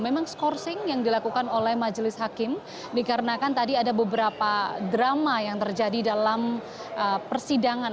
memang skorsing yang dilakukan oleh majelis hakim dikarenakan tadi ada beberapa drama yang terjadi dalam persidangan